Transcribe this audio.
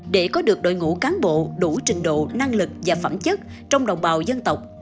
để có được đội ngũ cán bộ đủ trình độ năng lực và phẩm chất trong đồng bào dân tộc